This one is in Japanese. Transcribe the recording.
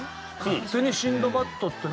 『勝手にシンドバッド』って何？